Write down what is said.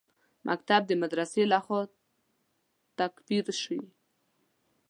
مکتب د مدرسې لخوا تکفیر شي.